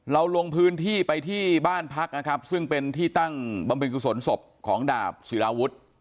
ลงพื้นที่ไปที่บ้านพักนะครับซึ่งเป็นที่ตั้งบำเพ็ญกุศลศพของดาบศิลาวุฒิ